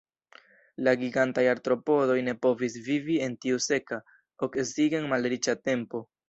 La gigantaj artropodoj ne povis vivi en tiu seka, oksigen-malriĉa tempo.